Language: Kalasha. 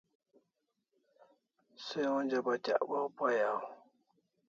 Se onja Batyak waw pay aw